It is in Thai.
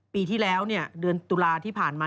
ปีที่แล้วเดือนตุลาที่ผ่านมา